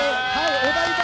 お台場